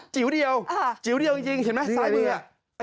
จิ๋วเดียวจิ๋วเดียวจริงเห็นไหมซ้ายมือ